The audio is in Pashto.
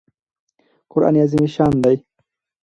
قران عظیم الشان دئ.